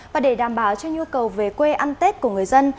và để đảm bảo cho nhu cầu về quê ăn tết của người dân